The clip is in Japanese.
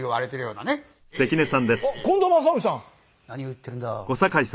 何を言ってるんだ。